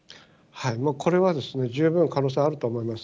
これはですね、十分可能性あると思います。